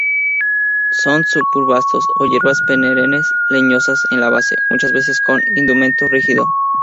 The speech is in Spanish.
Son subarbustos o hierbas perennes, leñosas en la base, muchas veces con indumento rígido.